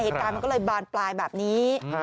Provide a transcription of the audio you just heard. เหตุการณ์มันก็เลยบานปลายแบบนี้